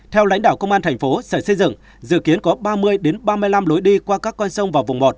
theo lãnh đạo công an thành phố sở xây dựng dự kiến có ba mươi ba mươi năm lối đi qua các con sông và vùng ngọt